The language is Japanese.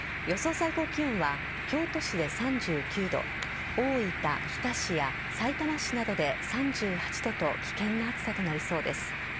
最高気温は京都市で３９度大分・日田市やさいたま市などで３８度と危険な暑さとなりそうです。